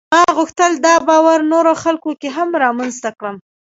ما غوښتل دا باور نورو خلکو کې هم رامنځته کړم.